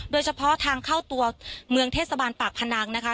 โดยเฉพาะทางเข้าตัวเมืองเทศบาลปากพนังนะคะ